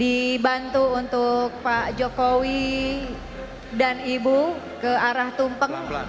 dibantu untuk pak jokowi dan ibu ke arah tumpeng